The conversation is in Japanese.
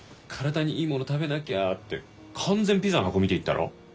「体にいいもの食べなきゃ」って完全ピザの箱見て言ったろ？